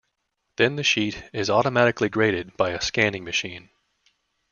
Then the sheet is automatically graded by a scanning machine.